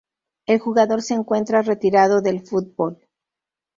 El jugador se encuentra retirado del fútbol.